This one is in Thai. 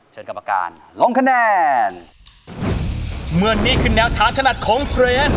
เชิญกับประการลงคะแนนเมื่อนี่คือแนวฐานถนัดของเฟรน